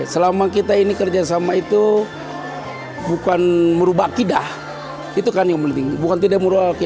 selama kita ini kerjasama itu bukan merubah akidah dalam doa kita sudah dari dua ribu tiga dua ribu empat sampai sekarang anak anak nggak berubah